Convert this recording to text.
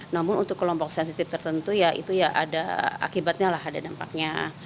namun untuk kelompok sensitif tertentu ya itu ya ada akibatnya lah ada dampaknya